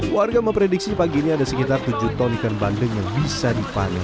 warga memprediksi pagi ini ada sekitar tujuh ton ikan bandeng yang bisa dipanen